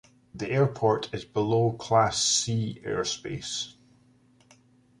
The airport is below class C airspace.